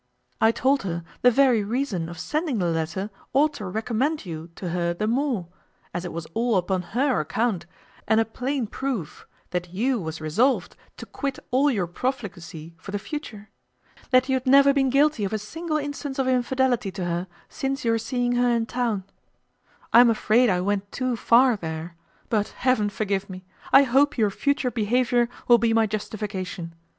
I told her the very reason of sending the letter ought to recommend you to her the more, as it was all upon her account, and a plain proof that you was resolved to quit all your profligacy for the future; that you had never been guilty of a single instance of infidelity to her since your seeing her in town: I am afraid I went too far there; but Heaven forgive me! I hope your future behaviour will be my justification.